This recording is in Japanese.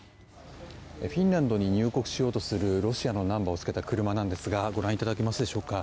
フィンランドに入国しようとするロシアのナンバーをつけた車なんですがご覧いただけますでしょうか